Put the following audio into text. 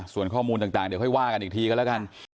ส่วนข้อมูลต่างเดี๋ยวค่อยว่ากันอีกทีก็แล้วกัน